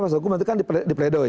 karena pas aku nanti kan di pledoi